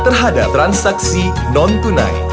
terhadap transaksi non tunai